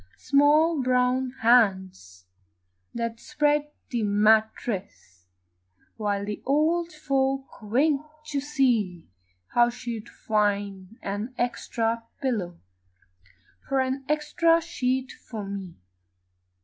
Small brown hands that spread the mattress While the old folk winked to see How she'd find an extra pillow And an extra sheet for me.